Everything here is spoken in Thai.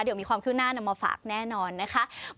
เดี๋ยวมีความขึ้นหน้านำมาฝากแน่นอนนะคะ